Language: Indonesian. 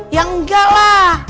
ya enggak lah